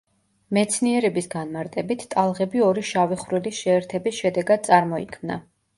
მეცნიერების განმარტებით, ტალღები ორი შავი ხვრელის შეერთების შედეგად წარმოიქმნა.